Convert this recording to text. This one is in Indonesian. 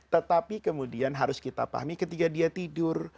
tetapi kemudian harus kita pahami ketika dia tidur